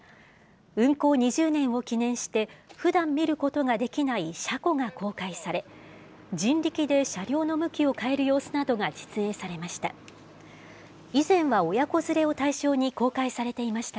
運行２０年を記念して、ふだん見ることができない車庫が公開され、人力で車両の向きを変える様子などが実演されました。